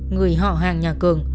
người họ hàng nhà cường